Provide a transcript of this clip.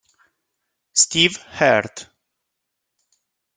Steve Heard